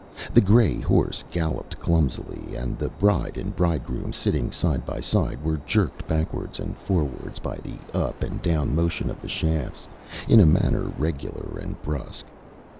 The gray horse galloped clumsily, and the bride and bridegroom, sitting side by side, were jerked backwards and forwards by the up and down motion of the shafts, in a manner regular and brusque.